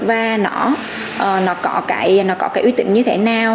và nó có cái ưu tình như thế nào